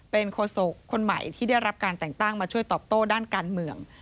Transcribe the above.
เป็นโคศกคนใหม่ที่ได้รับการแต่งตั้งมาช่วยตอบโต้ด้านการเมือง